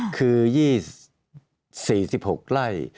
คือ๒๔๖ไร่